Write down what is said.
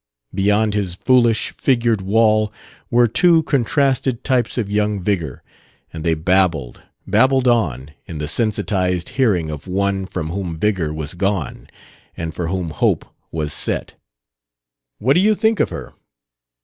Beyond his foolish, figured wall were two contrasted types of young vigor, and they babbled, babbled on, in the sensitized hearing of one from whom vigor was gone and for whom hope was set. "What do you think of her?"